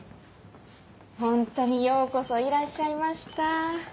ホントにようこそいらっしゃいました。